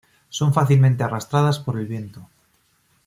Son fácilmente arrastradas por el viento.